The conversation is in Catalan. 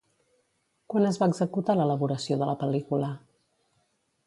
Quan es va executar l'elaboració de la pel·lícula?